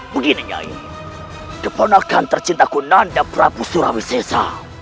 begini nyai keponakan tercintaku nanda prabesur rawisesa